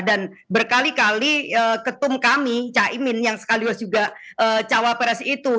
dan berkali kali ketum kami caimin yang sekaligus juga cawapres itu